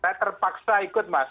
saya terpaksa ikut mas